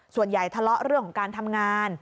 ส่วนใหญ่ทะเลาะเรื่องของการทำงาน